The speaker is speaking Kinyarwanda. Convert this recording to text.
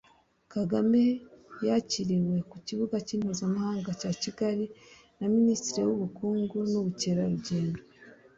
Kagame yakiriwe ku Kibuga cy’indege mpuzamhanga cya Kigali na minisitiri w’ubukungu n’ubukerarugendo